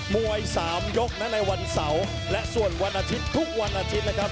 มวยสามยกนะในวันเสาร์และส่วนวันอาทิตย์ทุกวันอาทิตย์นะครับ